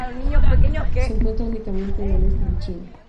Se encuentra únicamente en el este de China.